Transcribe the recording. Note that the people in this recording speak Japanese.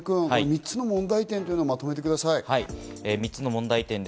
まず、森くん、３つの問題点をまとめてください。